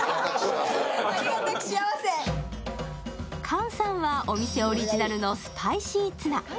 菅さんはお店オリジナルのスパイシーツナ。